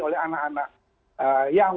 oleh anak anak yang